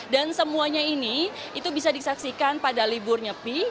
dan semuanya ini itu bisa disaksikan pada libur nyepi